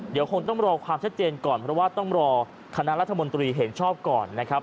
เดี๋ยวคงต้องรอความชัดเจนก่อนเพราะว่าต้องรอคณะรัฐมนตรีเห็นชอบก่อนนะครับ